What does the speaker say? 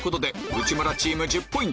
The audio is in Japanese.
内村チーム１０ポイント